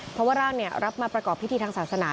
เพราะว่าร่างรับมาประกอบพิธีทางศาสนา